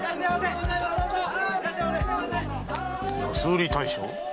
「安売り大将」？